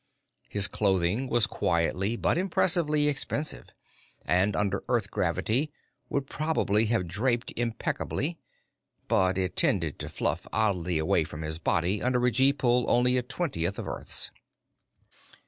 His clothing was quietly but impressively expensive, and under Earth gravity would probably have draped impeccably, but it tended to fluff oddly away from his body under a gee pull only a twentieth of Earth's.